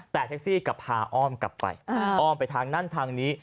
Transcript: แต่แท็กซี่กลับพาอ้อมกลับไปอ้อมไปทางนั้นทางนี้